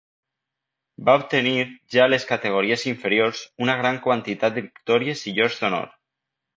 Va obtenir, ja a les categories inferiors, una gran quantitat de victòries i llocs d'honor.